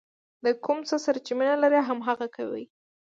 د کوم څه سره چې مینه لرئ هماغه کوئ.